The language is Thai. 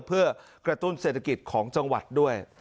เพื่อกระตุ้นเศรษฐกิจของจังหวัดด้วย